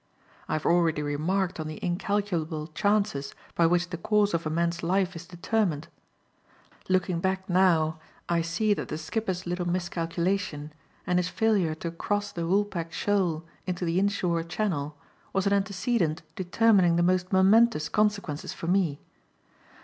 I have already remarked on the incalculable chances by which the course of a man's life is determined. Looking back now, I see that the skipper's little miscalculation and his failure to cross the Woolpack Shoal into the inshore channel, was an antecedent determining the most momentous consequences for me.